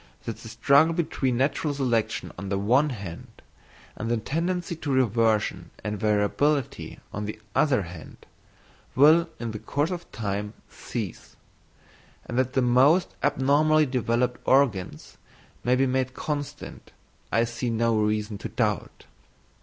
That the struggle between natural selection on the one hand, and the tendency to reversion and variability on the other hand, will in the course of time cease; and that the most abnormally developed organs may be made constant, I see no reason to doubt.